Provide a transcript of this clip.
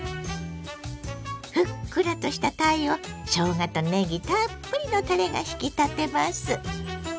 ふっくらとしたたいをしょうがとねぎたっぷりのたれが引き立てます。